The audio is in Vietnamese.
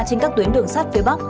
trên các tuyến đường sắt phía bắc